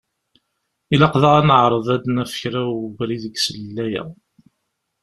Ilaq daɣ ad neεreḍ ad d-naf kra ubrid deg uslellay-a.